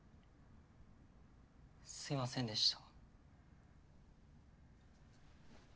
すいませんでした。